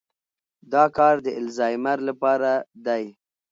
دا کار د الزایمر لپاره دی.